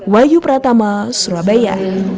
wayu pratama surabaya